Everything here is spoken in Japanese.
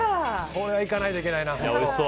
これは行かないといけないな。